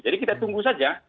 jadi kita tunggu saja